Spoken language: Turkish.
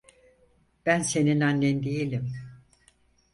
Ben senin annen değilim.